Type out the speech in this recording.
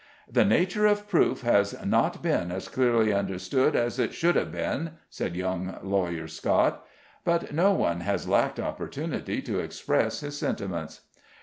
"The nature of proof has not been as clearly understood as it should have been," said young Lawyer Scott; "but no one has lacked opportunity to express his sentiments."